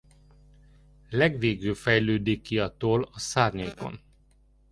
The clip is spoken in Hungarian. Legvégül fejlődik ki a toll a szárnyaikon.